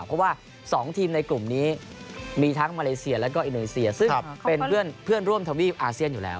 เพราะว่า๒ทีมในกลุ่มนี้มีทั้งมาเลเซียแล้วก็อินโดนีเซียซึ่งเป็นเพื่อนร่วมทวีปอาเซียนอยู่แล้ว